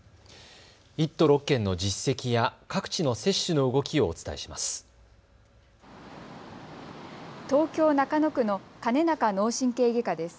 １都６県の実績や各地の接種の動きをお伝えします。